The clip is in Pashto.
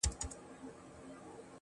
ښه دی چي لونگ چي تور دی لمبې کوي,